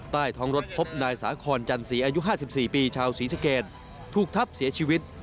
ใต้ท้องรถพบนายสาคอนจันสีอายุ๕๔ปีชาวศรีสเกตถูกทับเสียชีวิต